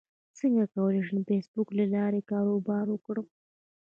څنګه کولی شم د فېسبوک له لارې کاروبار وکړم